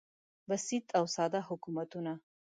بسیط او ساده حکومتونه